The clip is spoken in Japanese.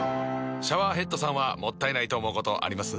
シャワーヘッドさんはもったいないと思うことあります？